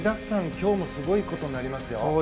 今日もすごいことになりますよ。